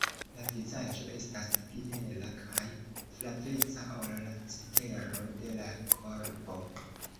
La vizaĝo estas pli hela kaj flaveca ol la cetero de la korpo.